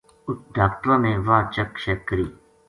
اُت ڈاکٹراں نے واہ چیک شیک کری